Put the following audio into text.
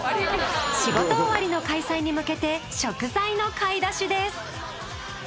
仕事終わりの開催に向けて食材の買い出しです。